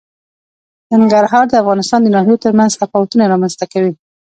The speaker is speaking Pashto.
ننګرهار د افغانستان د ناحیو ترمنځ تفاوتونه رامنځ ته کوي.